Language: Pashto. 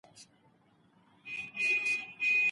ورزش د ناروغیو مخنیوی کوي.